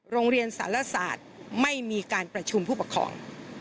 โรงเรียนสารศาสตร์ไม่มีการประชุมผู้ปกครอง